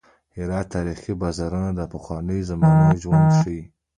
د هرات تاریخي بازارونه د پخوانیو زمانو ژوند ښيي.